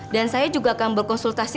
dan saya juga akan berkonsultasi